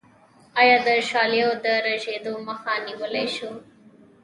آیا د شالیو د رژیدو مخه نیولی شو؟